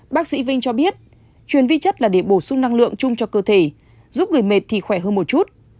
bác sĩ vinh cho biết chuyên vi chất là để bổ sung năng lượng chung cho cơ thể giúp người mệt thì khỏe hơn một chút